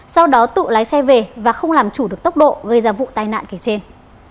sau đó tự lái xe về và không làm chủ được tốc độ gây ra vụ tai nạn kể trên